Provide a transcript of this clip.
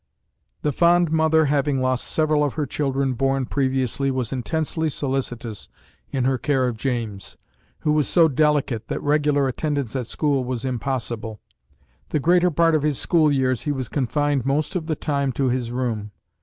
The fond mother having lost several of her children born previously was intensely solicitous in her care of James, who was so delicate that regular attendance at school was impossible. The greater part of his school years he was confined most of the time to his room.